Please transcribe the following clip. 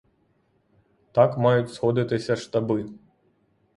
Так мають сходитися штаби.